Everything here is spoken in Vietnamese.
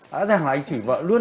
rõ ràng là anh chửi vợ luôn